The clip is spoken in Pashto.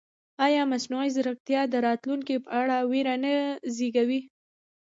ایا مصنوعي ځیرکتیا د راتلونکي په اړه وېره نه زېږوي؟